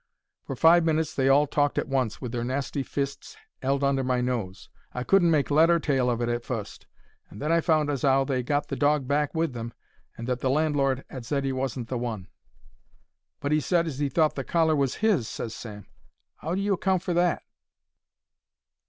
For five minutes they all talked at once, with their nasty fists 'eld under my nose. I couldn't make lead or tail of it at fust, and then I found as 'ow they 'ad got the dog back with them, and that the landlord 'ad said 'e wasn't the one. "But 'e said as he thought the collar was his," ses Sam. "'Ow do you account for that?"